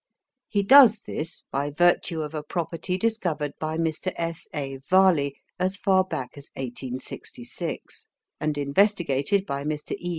He does this by virtue of a property discovered by Mr. S. A. Varley as far back as 1866, and investigated by Mr. E.